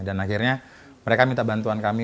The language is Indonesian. dan akhirnya mereka minta bantuan kami